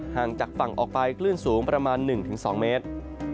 ห่างจากฝั่งออกไปคลื่นสูงประมาณ๑๒เมตร